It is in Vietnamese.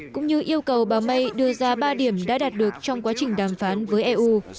cũng như yêu cầu bà may đưa ra ba điểm đã đạt được trong quá trình đàm phán với eu